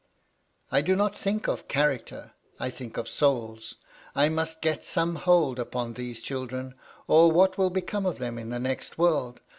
" I do not think of character : I think of souls. I must get some hold upon these children, or what will become of them in the next world